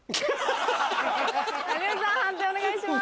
判定お願いします。